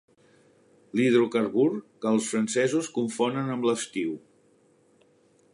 L'hidrocarbur que els francesos confonen amb l'estiu.